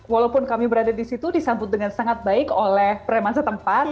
walaupun kami berada di situ disambut dengan sangat baik oleh preman setempat